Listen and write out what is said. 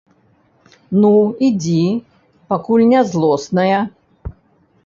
Ну, ідзі, пакуль не злосная.